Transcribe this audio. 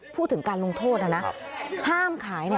พูดถึงการลงโทษนะนะห้ามขาย